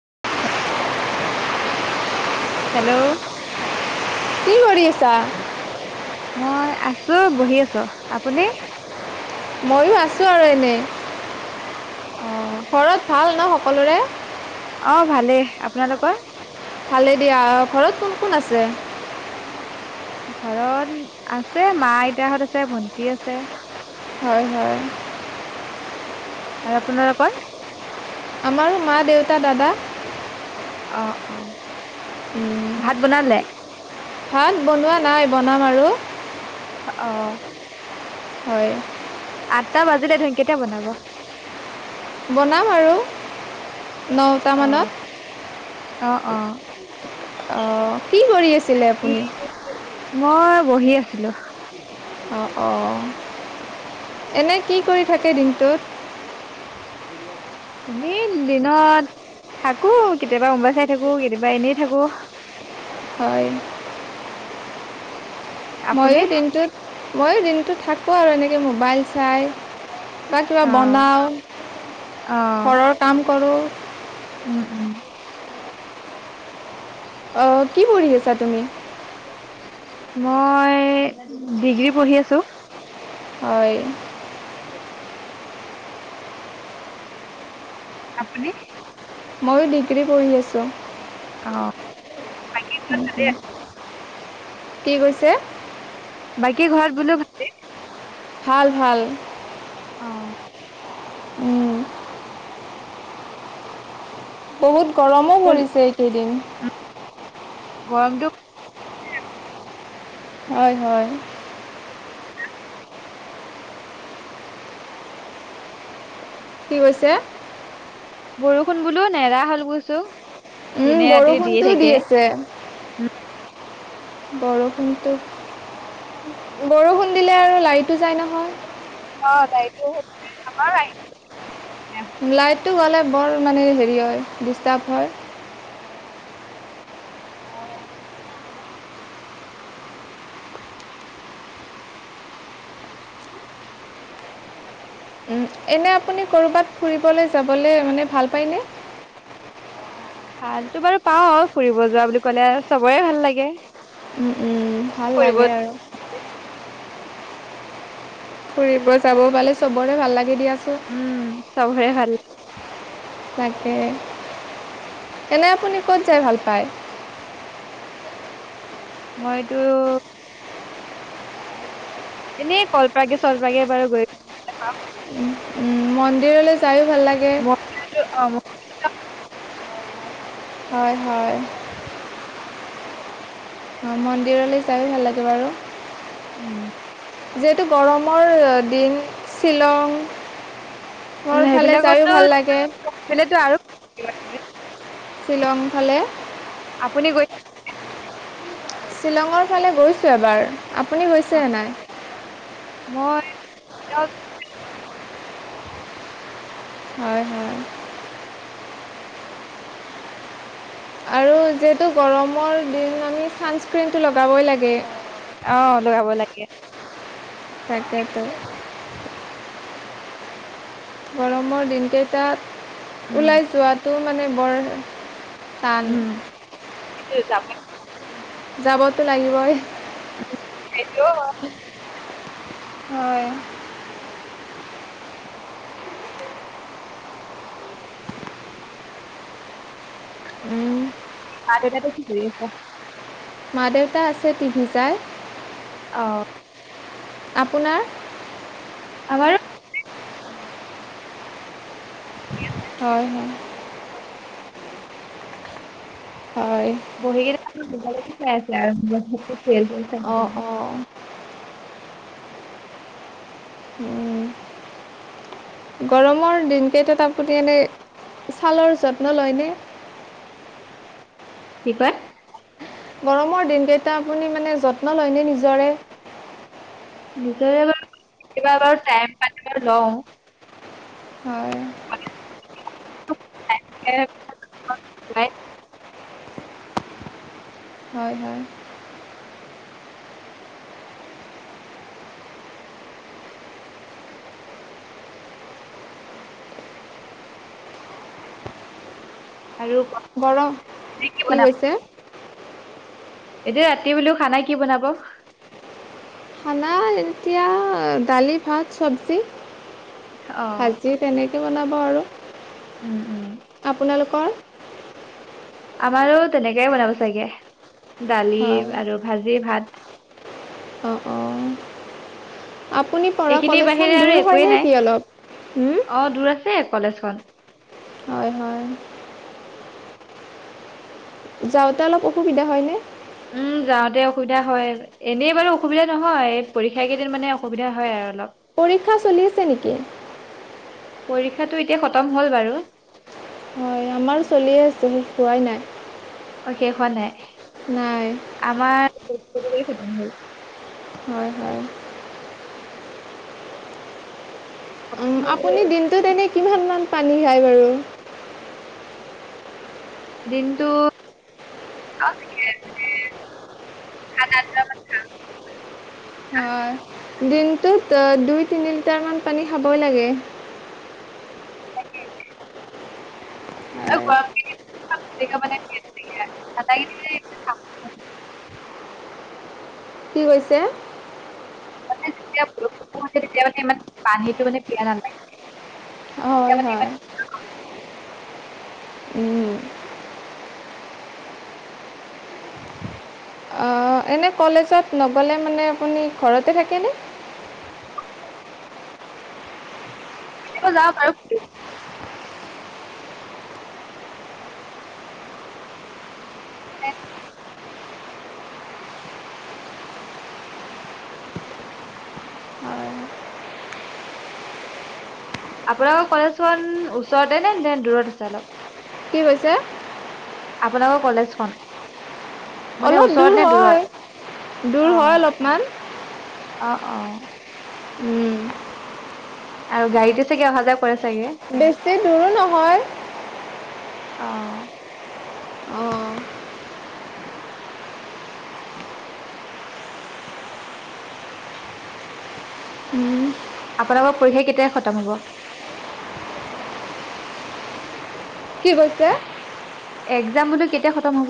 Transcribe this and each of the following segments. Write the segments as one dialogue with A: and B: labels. A: [unintelligible] Hello.
B: কি কৰি আছা
A: মই আছ [unintelligible] বহি আছোঁ, আপুনি?
B: ময়ো আছো আৰু এনেই।
A: অ
B: ঘৰত ভাল ন সকলোৰে।
A: অ', ভালেই, আপোনালোকৰ?
B: ভালে দিয়া। ঘৰত কোন কোন আছে?
A: ঘৰত আছে, মা আইতাহত আছে, ভন্টি আছে।
B: হয় হয়।
A: আৰু আপোনালোকৰ?
B: আমাৰো মা, দেউতা, দাদা।
A: অ', অ'।
B: উম,
A: ভাত বনালে?
B: ভাত বনোৱা নাই, বনাম আৰু।
A: অ
B: হয়।
A: আঠটা বাজিলে [unintelligible] কেতিয়া বনাব?
B: বনাম আৰু
A: অ
B: নটামানত।
A: অ', অ'।
B: অঁ কি কৰি আছিলে আপুনি
A: মই বহি আছিলো।
B: অ', অ' এনে কি কৰি থাকে দিনটোত?
A: এনেই দিনত থাকো, কেতিয়াবা মোবাইল চাই থাকো কেতিয়াবা এনেই থাকো। নৰ
B: হয়
A: [unintelligible]
B: ময়ো দিনটোত মই দিনটো থাকো কো এনেকে ম বাইল চাই বা কিবা
A: অ
B: বনাওঁ,
A: অ
B: ঘৰৰ কাম কৰোঁ
A: উম উম
B: অ' কি পঢ়ি আছা তুমি?
A: মই ডিগ্ৰী পঢ়ি আছো।
B: হয়।
A: অ [unintelligible] আপুনি।
B: ময়ো ডিগ্ৰী পঢ়ি আছো।
A: অ এ,
B: উম-উম্। কি কৈছে।
A: বাকী ঘৰত বোলো ভালেই।
B: ভাল- ভাল।
A: অ
B: উম।
A: [unintelligible]
B: বহুত গৰমো
A: কল
B: পৰিছে এইকেইদিন।
A: গৰমটো
B: হয়- হয়। কি কৈছে।
A: বৰষুণ বোলো নেৰা হ'ল কৈছো।
B: উম,
A: দিনে ৰাতিয়ে দিয়ে
B: বৰষুণটোও
A: থাকে
B: দি আছে। বৰষুণটো, বৰষুণ দিলে আৰু লাইটো যায় নহয়।
A: অঁ লাইটো [unintelligible]
B: লাইট টো গ'লে বৰ মানে হেৰি হয় ডিষ্টাৰ্ব হয়। উম এনে আপুনি ক'ৰবাত ফুৰিবলৈ যাবলে মানে ভাল পায়নে
A: ভালতো বাৰু পাও ফুৰিব যোৱা বুলি ক'লে চবৰে ভাল লাগে।
B: উম- উম ভাল
A: ফুৰিব
B: লাগে আৰু। ফুৰিব যাবও পালে চবৰে ভাল লাগ
A: উম চবৰে ভাল লা
B: তাকে এনে আপুনি ক'ত যাই ভাল পায়।
A: মইতো এনেই কলপাৰ্কে চলপাৰ্কে বাৰু গৈ
B: উম -উম মন্দিৰলৈ যায়
A: [unintelligible]
B: হয়- হয়। মন্দিৰলৈ যায়ো ভাল লাগে বাৰু।
A: উম।
B: যিহেতু গৰমৰ দিন শ্বিলং
A: সেইবিলাকতো সেইপিনেটো আৰু
B: শ্বিলং ফালে।
A: আপুনি গৈছে
B: শ্বিলঙৰ ফালে গৈছোঁ এবাৰ। আপুনি
A: অ,
B: গৈছেনে নাই।
A: মই তেওঁ-
B: হয় হয় আৰু যিহেতু গৰমৰ দিন আমি চানস্ক্ৰনটো লগাবই লাগ
A: অহ লগাব লাগে
B: তাকেটো গৰমৰ দিন কেইটাত
A: উম
B: ওলাই যোৱাটো মানে বৰ টান
A: উম সেইটোৱে
B: যাবতো লাগিবই
A: পাৰিলেও
B: [unintelligible] হয় উম
A: হে তাতে কি কৰি আছা
B: মা দেউতা আছে টিভি চাই
A: অ
B: আপোনাৰ
A: আমাৰো
B: হয়-হয়। হয়
A: বহি গেইটা [unintelligible] াই আছে আৰ্ভ [unintelligible] স চ
B: অঁ
A: [unintelligible]
B: অঁ উম, গৰমৰ দিন কেইটাত তা পুতি এনেই ছালৰ যত্ন লয়নে?
A: কি কয়?
B: গৰমৰ দিনকেইটা আপুনি মানে য যত্নলৈনে নিজৰে?
A: নিজৰে বাৰু কিবা এটা বাৰ টাইম পতিবাৰ লওঁ।
B: হয়।
A: [unintelligible]
B: হয়-হয়।
A: আৰু কবি
B: গৰম কি কৈছে?
A: যে ৰাতি বোলো খানা কি বনাব?
B: খানা এতিয়া দালি, ভাত, চব্জি।
A: অ',
B: ভাজি তেনেকে বনাব আৰু
A: উম, উম।
B: আপোনালোকৰ।
A: আমাৰো তেনেকাইে বনাব চাগে। দালি আৰু ভাজি ভাত।
B: অঁ অঁ আপুনি পৰা
A: এইখিনিৰ
B: কলেজখন
A: বাহিৰে আৰু
B: দূৰ হয়
A: একোৱেই
B: নে
A: নাই।
B: কি অলপ।
A: অ', দূৰ আছে কলেজখন।
B: হয় হয়। যাওঁতে অলপ অসুবিধা হয়নে।
A: উম যাওঁতে অসুবিধা হয় এনেই বাৰু অসুবিধা নহয় পৰীক্ষা কেইদিন মানে অসুবিধা হয় আৰু অলপ।
B: পৰীক্ষা চলি আছে নেকি?
A: পৰীক্ষাটো এতিয়া খতম হ'ল বাৰু।
B: হয় আমাৰো চলিয়ে আছেষ হোৱাই নাই।
A: অ শেষ হোৱা নাই।
B: নাই
A: আমাৰত হল
B: হয় হয়। উ আপুনি দিনটোত এনে কিমান মান পানী। খাই বাৰু?
A: দিনটো।
B: হয় দিনটোত দুই তিনি লিটাৰ মান পানী খাবই লাগে। হয়
A: [unintelligible] মানে [unintelligible]
B: কি কৈছে
A: [unintelligible] তেতিয়ালেগে পানীটো ইমান পিয়াহ নালাগে তেতিয়া
B: হয়
A: মানে
B: হয়
A: ইমান
B: উম অ এনে কলেজত নগলে মানে আপুনি ঘৰতে থাকেনে
A: [unintelligible] আপোনালোকৰ কলেজখন ওচৰতে নে নে দূৰত আছে অলপ
B: কি কৈছে
A: আপোনালোকৰ কলেজখন মানে
B: অলপ দূৰ
A: ওচৰত নে
B: হয়
A: দূৰত,
B: দূৰ হয় অলপমান
A: অহ অহ অ।
B: উম।
A: আৰু গাড়ীতে চাগে অহা যা
B: বেছি দূৰো নহয়।
A: অহ
B: অ
A: [unintelligible]
B: উম।
A: আপোনালোকৰ পৰীক্ষা কেতিয়া খতম হ'ব।
B: কি কৈছে।
A: এক্সজাম বোলো কেতিয়া শেষ হ'ব।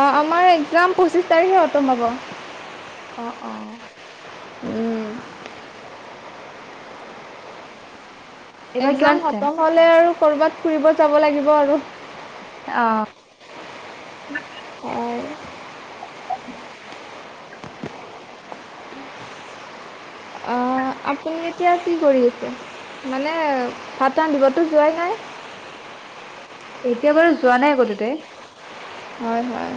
B: অ আমাৰ এক্সজাম, পঁচিশ তাৰিখে খতম হব।
A: অ, অ।
B: উম।
A: এইবাৰ কিমান
B: এক্সজাম
A: চেম
B: খতম হলে আৰু। কৰ'বাত ফুৰিব যাব লাগিব আৰু।
A: অ।
B: অ'।
A: [inaudible]
B: অ' আপুনি এতিয়া কি কৰি আছে, মানে ভাত ৰান্ধিবতো যোৱাই নাই?
A: এতিয়া বাৰু যোৱা নাই আকৌ তাতে।
B: হয় হয়।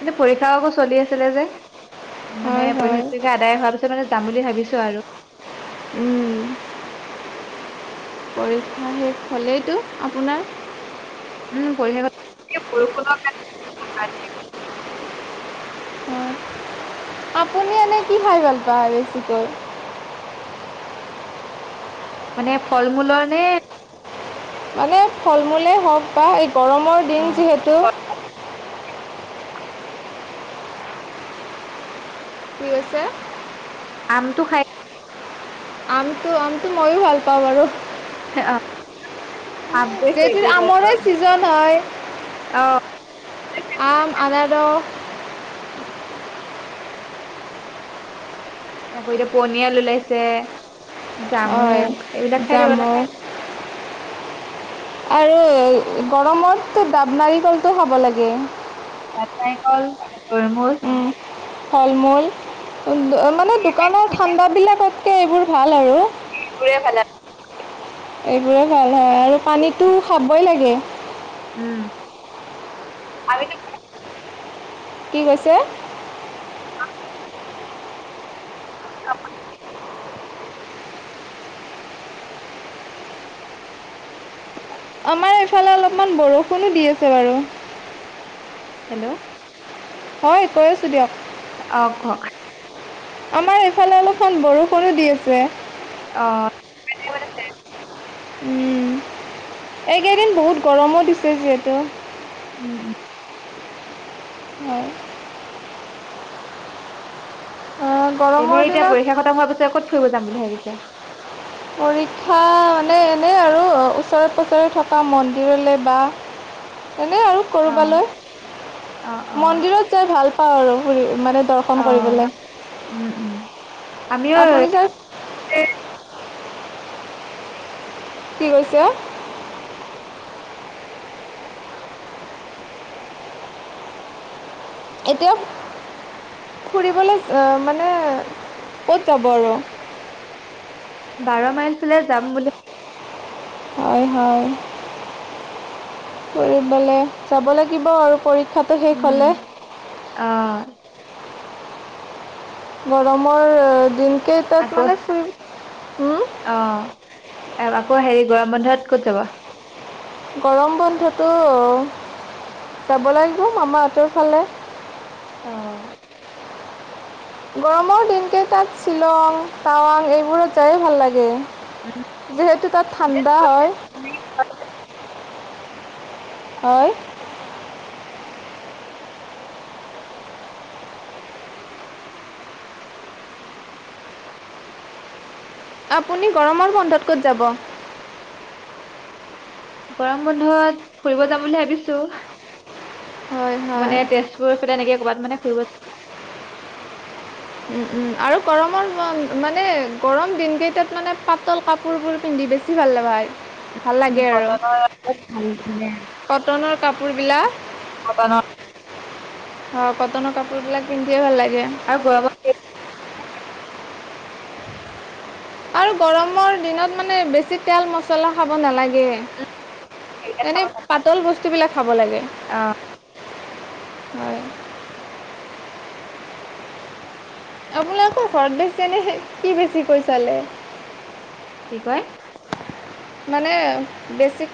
A: মানে পৰীক্ষা আকৌ চলি আছিলে যে। মানে
B: হয় হয়
A: পৰীক্ষাটো আদায় হোৱাৰ পিছত, মানে যাম বুলি ভাবিছো। আৰু
B: উম। পৰীক্ষা শেষ হ'লেইতো আপোনাৰ?
A: উম পৰীক্ষা আগত, ই বৰষুণ কাৰণে
B: অ' আপুনি এনেই কি খাই ভাল পায় বেছিকৈ?
A: মানে ফল মূলৰ নে?
B: মানে ফল মূলে হওক বা গৰমৰ
A: অ
B: দিন যিহেতু কি কৈছে?
A: আমটো খাই
B: আমটো, আমটো ময়ো ভাল পাওঁ বাৰু।
A: অ'। আমটোৱে
B: যিহেতুটো
A: ফেভৰেট
B: আমৰে
A: আৰু
B: চিজন হয়।
A: অ
B: আম, আনা ন
A: [inaudible] আকৌ এতিয়া পনিয়াল ওলাইছে।
B: হয়
A: জামুক এইবিলাক খাই থাকো আৰু
B: জামু আৰু গৰমতটো ডাব নাৰিকলটো খাব লাগে।
A: ডাব নাৰিকল, তৰবুজ
B: ফল মূল অ' মানে দোকানৰ ঠাণ্ডা বিলাক তাকে এইবোৰ ভাল আৰু
A: তোৰে ভাল
B: এইবোৰে ভাল। আৰু পানীটো খাবই লাগে।
A: পানীতো
B: কি কৈছে?
A: অ'।
B: আমাৰ এইফালে অলপমান বৰষুণো দি আছে বাৰু।
A: হেল্ল'
B: হয় কৈ আছো দিয়ক।
A: অ' কওক।
B: আমাৰ এইফালে অলপমান বৰষুণো দি আছে।
A: অ' [unintelligible]
B: উম এইকেইদিন বহুত গৰমো দিছে যিহেতু।
A: উম উম।
B: হয়। গৰমৰ
A: এনেই এতিয়া
B: দিনত
A: পৰীক্ষা শেষ হোৱাৰ পিছত ক'ত ফুৰিব যাম বুলি ভাবিছে?
B: পৰীক্ষা এনে এনেই আৰু অ' ওচৰে পাজৰে থকা মন্দিৰলৈ বা এনেই আৰু
A: অঁ
B: ক'ৰবালৈ,
A: অঁ অঁ
B: মন্দিৰত যাই ভাল পুৰি [unintelligible] মানে দৰ্শন কৰিবলৈ।
A: আমিওঁ
B: আপুনি যাই
A: এ
B: কি কৈছে? এতিয়া ফুৰিবলৈ মানে ক'ত যাব আৰু?
A: বাৰ মাইল ফালে যাম বুলি
B: হয়, হয় ফুৰিবলে যাব লাগিব আৰু পৰীক্ষাটো শেষ হ'লে।
A: অ'।
B: গৰমৰ দিন কেই তাত
A: আকৌ
B: মানে ফুৰ
A: অঁ আকৌ হেৰি গৰাম বন্ধত ক'ত যাবা?
B: গৰম বন্ধটো যাব লাগিব মামা হ'তৰ ফালে।
A: অ'।
B: গৰমৰ দিনকেই তাত শ্বিলং, টাৱাং, এইবোৰত যায়ে ভাল লাগে। যিহেতু তাত ঠাণ্ডাই। হয়। আপুনি গৰমৰ বন্ধত ক'ত যাব?
A: গৰম বন্ধত ফুৰিব যাম বুলি ভাবিছো?
B: হয় হয়
A: মানে তেজপুৰ ফালে এনেকে ক'ৰবাত মানে ফুৰিব
B: আৰু গৰমৰ মানে গৰম দিনকেইটাত মানে পাতল কাপোৰবোৰ পিন্ধি বেছি ভাল লগা হয়। ভাল লাগে আৰু
A: উ কটনৰ
B: কটনৰ কাপোৰবিলাক
A: ভালেনৰ [unintelligible]
B: অ' কটনৰ কাপোৰ বিলাক পিন্ধিয়ে ভাল লাগে।
A: আৰু গৰমত
B: আৰু গৰমৰ দিনত মানে বেছি তেল মছলা খাব নালাগে।
A: সেইবিলাক খাব
B: এনেই পাতল বস্তু এইবিলাক খাব লাগে।
A: অঁ
B: হয়। আপোনালোকৰ ঘৰত বেছি যেনে কি বেছি কৈ চালে?
A: কি কয়?
B: মানে বেছিক